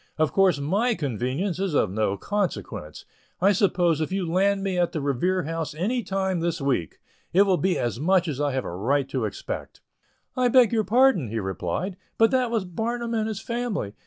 Of course my convenience is of no consequence. I suppose if you land me at the Revere House any time this week, it will be as much as I have a right to expect." "I beg your pardon," he replied, "but that was Barnum and his family.